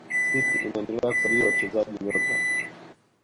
city imeendelea kusajili wachezaji nyota